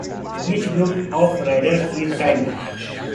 Each group of riders is timed.